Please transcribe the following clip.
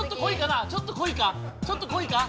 ちょっとこいかな？